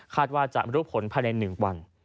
ว่าจะรู้ผลภายใน๑วัน